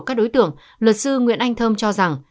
các đối tượng luật sư nguyễn anh thơm cho rằng